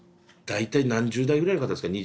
大体何十代ぐらいの方ですか。